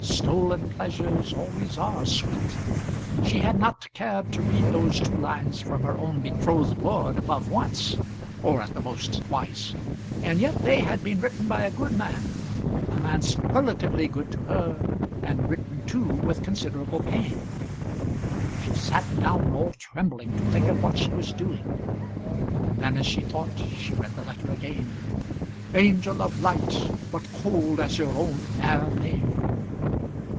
Stolen pleasures always are sweet. She had not cared to read those two lines from her own betrothed lord above once, or at the most twice; and yet they had been written by a good man, a man superlatively good to her, and written too with considerable pain. [Illustration: The Angel of Light.] She sat down all trembling to think of what she was doing; and then, as she thought, she read the letter again. "Angel of light! but cold as your own fair name."